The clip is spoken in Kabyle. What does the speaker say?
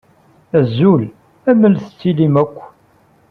Azul, amel tettilim akk?